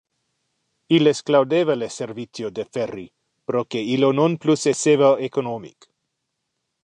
Illes claudeva le servicio de ferry proque illo non plus esseva economic.